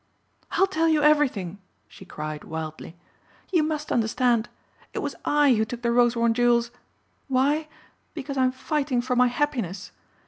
"I'll tell you everything," she cried wildly. "You must understand. It was I who took the Rosewarne jewels. Why? Because I am fighting for my happiness.